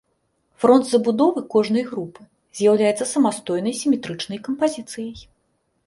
Фронт забудовы кожнай групы з'яўляецца самастойнай сіметрычнай кампазіцыяй.